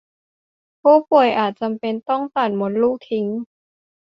ผู้ป่วยอาจจำเป็นต้องตัดมดลูกทิ้ง